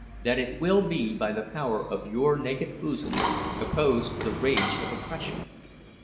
That it will be by the power of your naked bosoms, opposed to the rage of oppression!